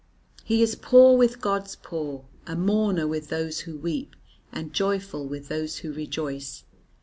He is poor with God's poor; a mourner with those who weep, and joyful with those who rejoice.